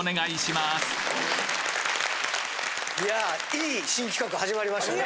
いやぁいい新企画始まりましたね。